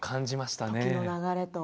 時の流れと。